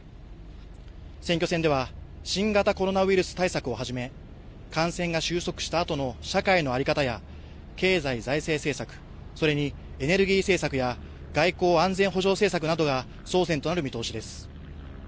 選挙戦では新型コロナウイルス対策をはじめ、感染が収束したあとの社会のあり方や経済・財政政策、それにエネルギー政策や外交・安全保障政策などが争点となる見通しです。